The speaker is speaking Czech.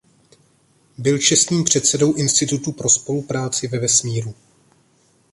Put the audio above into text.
Byl čestným předsedou Institutu pro spolupráci ve vesmíru.